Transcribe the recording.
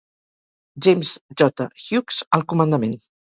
James J. Hughes al comandament.